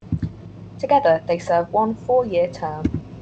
Together, they serve one four-year term.